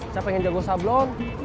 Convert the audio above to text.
saya pengen jago sablon